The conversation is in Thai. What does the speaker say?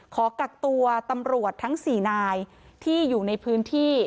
ขอกักตัวตำรวจทั้ง๔นายที่อยู่ในพื้นที่